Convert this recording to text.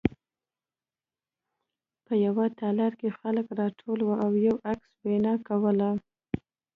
په یوه تالار کې خلک راټول وو او یو کس وینا کوله